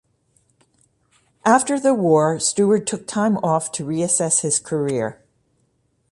After the war, Stewart took time off to reassess his career.